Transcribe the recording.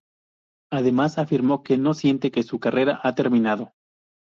Además, afirmó que no siente que su carrera ha terminado.